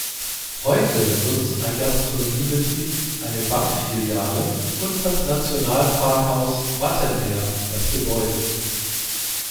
Heute nutzen ein Gastronomiebetrieb, eine Bankfiliale und das Nationalparkhaus Wattenmeer das Gebäude.